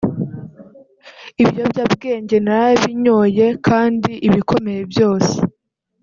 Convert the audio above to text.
Ibiyobyabwenge narabinyoye kandi ibikomeye byose